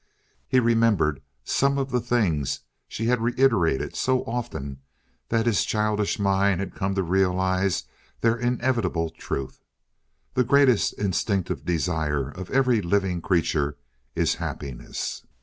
He remembered some of the things she had reiterated so often that his childish mind had come to realize their inevitable truth. The greatest instinctive desire of every living creature is happiness.